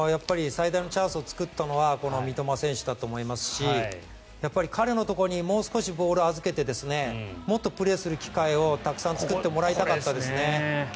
最大のチャンスを作ったのはこの三笘選手だと思いますし彼のところにもう少しボールを預けてもっとプレーする機会をたくさん作ってもらいたかったですね。